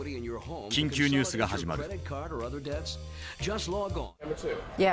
緊急ニュースが始まる。